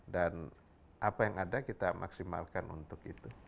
dan apa yang ada kita maksimalkan untuk itu